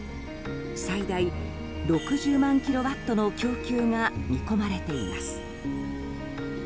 最大６０万キロワットの供給が見込まれています。